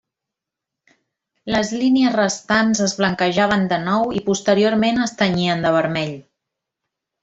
Les línies restants es blanquejaven de nou i posteriorment es tenyien de vermell.